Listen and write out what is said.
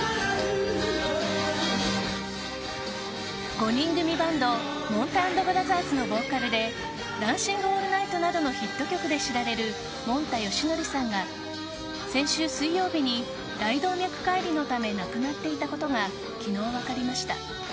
５人組バンドもんた＆ブラザーズのボーカルで「ダンシング・オールナイト」などのヒット曲で知られるもんたよしのりさんが先週水曜日に大動脈解離のため亡くなっていたことが昨日分かりました。